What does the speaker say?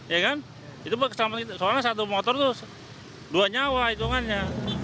ya kan itu bakal keselamatan kita soalnya satu motor tuh dua nyawa hitungannya